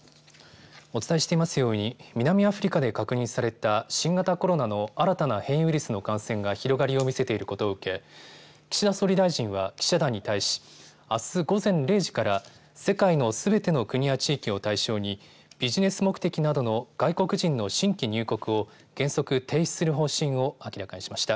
お伝えしていますように南アフリカで確認された新型コロナの新たな変異ウイルスの確認が広がりを見せていることを受け岸田総理大臣は記者団に対しあす午前０時から、世界のすべての国や地域を対象にビジネス目的などの外国人の新規入国を原則停止する方針を明らかにしました。